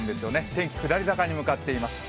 天気下り坂に向かっています。